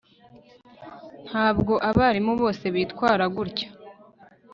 Ntabwo abarimu bose bitwara gutya